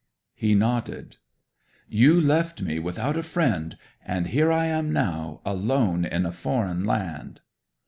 'He nodded. '"You left me without a friend, and here I am now, alone in a foreign land."